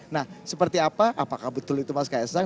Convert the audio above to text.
nah seperti apa apakah betul itu mas kaisang